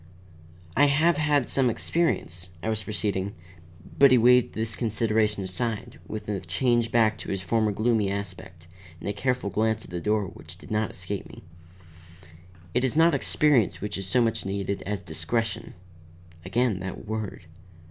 "I have had some experience," I was proceeding But he waved this consideration aside, with a change back to his former gloomy aspect, and a careful glance at the door which did not escape me. "It is not experience which is so much needed as discretion." Again that word.